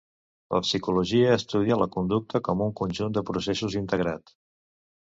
La psicologia estudia la conducta com un conjunt de processos integrat.